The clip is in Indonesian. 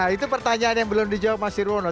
nah itu pertanyaan yang belum dijawab mas irwan loh